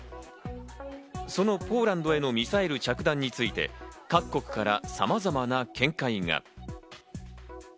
そのポーランドへのミサイル着弾について、各国から様々な見解が。